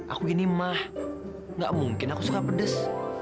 aku ini mah gak mungkin aku suka pedes